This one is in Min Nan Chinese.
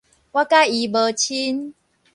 我佮伊無親